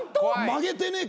曲げてねえか？